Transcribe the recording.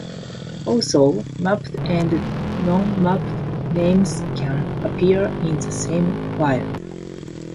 Also, mapped and non-mapped names can appear in the same file.